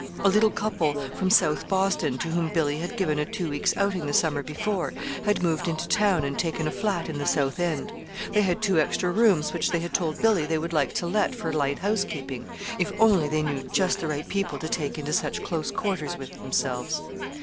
A little couple from South Boston, to whom Billy had given a two weeks' outing the summer before, had moved into town and taken a flat in the South End. They had two extra rooms which they had told Billy they would like to let for light house keeping, if only they knew just the right people to take into such close quarters with themselves.